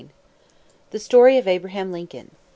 ] THE STORY OF ABRAHAM LINCOLN.